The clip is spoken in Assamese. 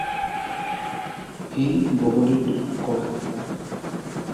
সি বগলীটোক ক'লে।